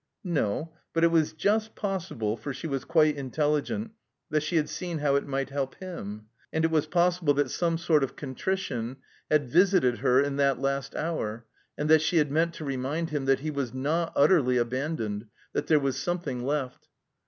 No, but it was just possible (for she was quite intelligent) that she had seen how it might b^lp him. It was possible that some sort of 253 THE COMBINED MAZE contrition had visited her in that last hotir, and that she had meant to remind him that he was not ut terly abandoned, that there was something left.